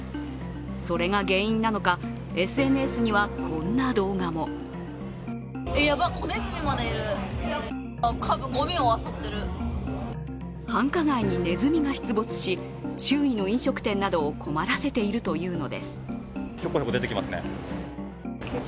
それが原因なのか、ＳＮＳにはこんな動画も繁華街にねずみが出没し周囲の飲食店などを困らせているというのです。